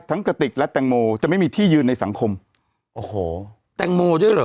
กระติกและแตงโมจะไม่มีที่ยืนในสังคมโอ้โหแตงโมด้วยเหรอ